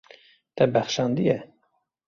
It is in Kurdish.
Te bexşandiye.